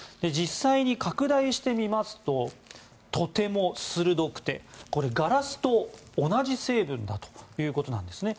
実際に拡大してみますととても鋭くてガラスと同じ成分だということです。